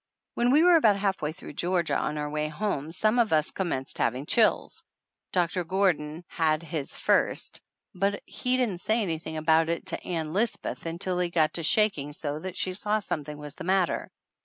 When we were about half way through Georgia on our way home, some of us com menced having chills. Doctor Gordon had his first, but he didn't say anything about it to Ann Lisbeth until he got to shaking so that she saw something was the matter.